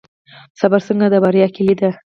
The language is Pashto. صبر څنګه د بریا کیلي ده؟